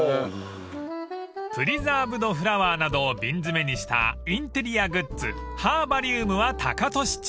［プリザーブドフラワーなどを瓶詰めにしたインテリアグッズハーバリウムはタカトシチーム］